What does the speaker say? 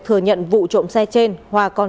thừa nhận vụ trộm xe trên hòa còn